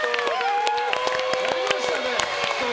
やりましたね。